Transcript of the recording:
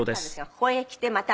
ここへ来てまた